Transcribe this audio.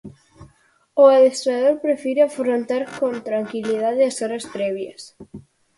O adestrador prefire afrontar con tranquilidade as horas previas.